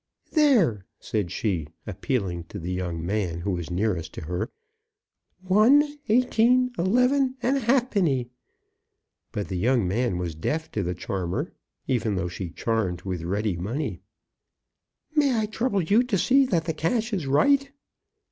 "There," said she, appealing to the young man who was nearest to her, "one, eighteen, eleven, and a halfpenny." But the young man was deaf to the charmer, even though she charmed with ready money. "May I trouble you to see that the cash is right."